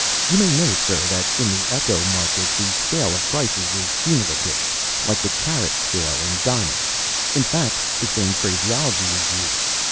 You may know, sir, that in the echo market the scale of prices is cumulative, like the carat scale in diamonds; in fact, the same phraseology is used.